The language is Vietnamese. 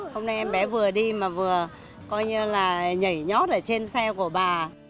hôm nay em bé vừa đi mà vừa coi như là nhảy nhót ở trên xe của bà